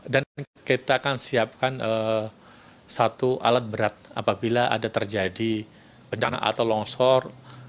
dan kita akan siapkan satu alat berat apabila ada terjadi bencana atau longsor